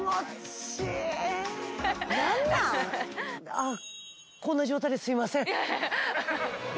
あこんな状態ですいません